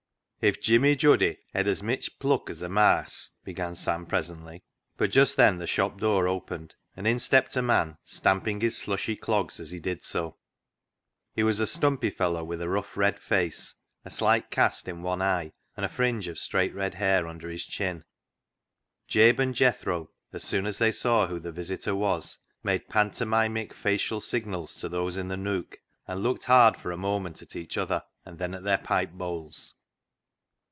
" If Jimmy Juddy hed as mitch pluck as a maase " (mouse), began Sam presently — but just then the shop door opened, and in stepped a man, stamping his slushy clogs as he did so. COALS OF FIRE 127 He was a stumpy fellow with a rough red face, a slight cast in one eye, and a fringe of straight red hair under his chin. Jabe and Jethro, as soon as they saw who the visitor was, made pantomimic facial signals to those in the nook, and looked hard for a moment at each other, and then at their pipe bowls.